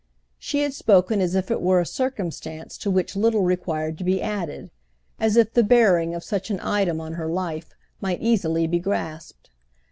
She had spoken as if it were a circumstance to which little required to be added—as if the bearing of such an item on her life might easily be grasped.